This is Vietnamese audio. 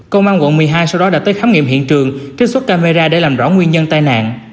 công an quận một mươi hai sau đó đã tới khám nghiệm hiện trường trích xuất camera để làm rõ nguyên nhân tai nạn